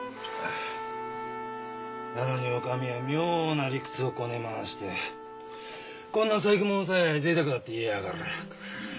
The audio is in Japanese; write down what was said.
なのにお上は妙な理屈をこね回してこんな細工物さえぜいたくだって言いやがる。